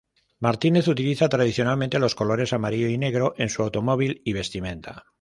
Martínez utiliza tradicionalmente los colores amarillo y negro en su automóvil y vestimenta.